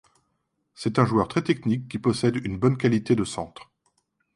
C'est un joueur très technique qui possède une bonne qualité de centre.